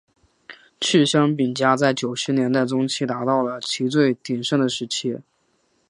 趣香饼家在九十年代中期达到了其最鼎盛的时期。